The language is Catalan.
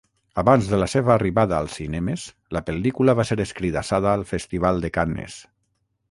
Abans de la seva arribada als cinemes, la pel·lícula va ser escridassada al festival de Cannes.